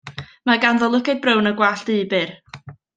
Mae ganddo lygaid brown a gwallt du, byr.